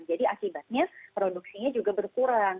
jadi akibatnya produksinya juga berkurang